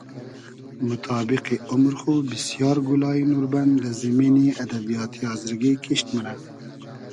موتابیقی اومر خو بیسیار گولایی نوربئن دۂ زیمینی ادبیاتی آزرگی کیشت مونۂ